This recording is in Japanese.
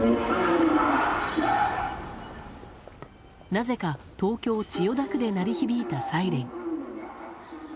なぜか東京・千代田区で鳴り響いたサイレン。